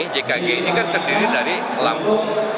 jkg ini kan terdiri dari lambung